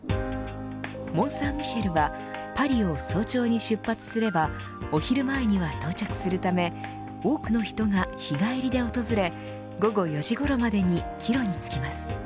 モンサンミシェルはパリを早朝に出発すればお昼前には到着するため多くの人が日帰りで訪れ午後４時ごろまでに帰路に着きます。